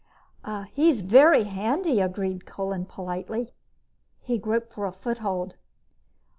"He's very handy," agreed Kolin politely. He groped for a foothold.